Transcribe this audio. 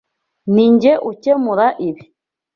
Ninjye ukemura ibi.